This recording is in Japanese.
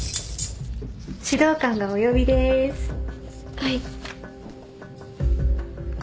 はい。